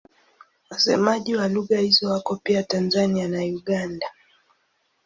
Wasemaji wa lugha hizo wako pia Tanzania na Uganda.